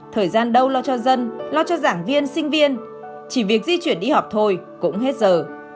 thời gian đâu lo cho dân lo cho giảng viên sinh viên chỉ việc di chuyển đi học thôi cũng hết giờ